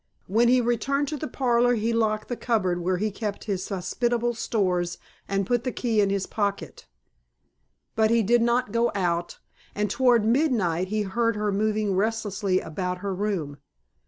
When he returned to the parlor he locked the cupboard where he kept his hospitable stores and put the key in his pocket. But he did not go out, and toward midnight he heard her moving restlessly about her room.